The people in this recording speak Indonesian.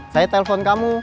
saya telpon kamu